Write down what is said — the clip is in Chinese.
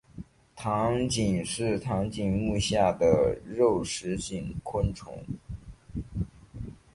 螳䗛是螳䗛目下的肉食性昆虫。